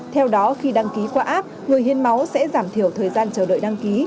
theo đó khi đăng ký qua app người hiến máu sẽ giảm thiểu thời gian chờ đợi đăng ký